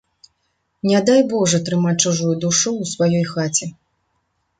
Не дай божа трымаць чужую душу ў сваёй хаце.